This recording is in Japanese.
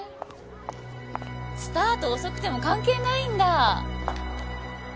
スタート遅くても関係ないんだ。